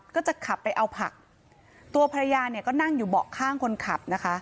ก็จะขับไปเอาผักตัวภรรยาเนี่ยก็นั่งอยู่เบาะข้างคนขับนะคะ